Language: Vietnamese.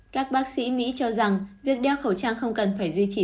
các bác sĩ mỹ cho rằng việc đeo khẩu trang không cần phải duy trì